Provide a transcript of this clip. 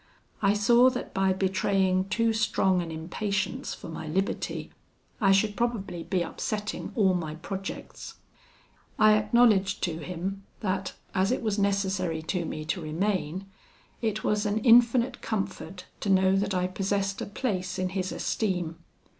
I saw that by betraying too strong an impatience for my liberty, I should probably be upsetting all my projects. I acknowledged to him, that, as it was necessary to me to remain, it was an infinite comfort to know that I possessed a place in his esteem.